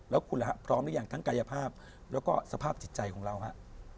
แล้วคุณล่ะครับพร้อมหรือยังทั้งกายภาพแล้วก็สภาพจิตใจของเราฮะ